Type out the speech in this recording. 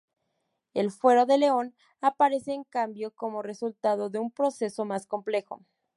El Fuero de León aparece en cambio como resultado de un proceso más complejo.